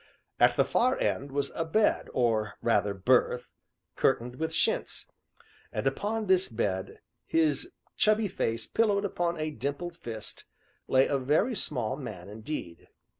At the far end was a bed, or rather, berth, curtained with chintz, and upon this bed, his chubby face pillowed upon a dimpled fist, lay a very small man indeed.